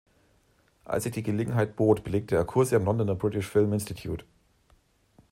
Als sich die Gelegenheit bot, belegte er Kurse am Londoner British Film Institute.